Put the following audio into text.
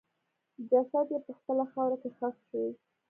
جسد یې په خپله خاوره کې ښخ شي.